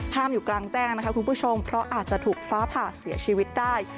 อยู่กลางแจ้งนะคะคุณผู้ชมเพราะอาจจะถูกฟ้าผ่าเสียชีวิตได้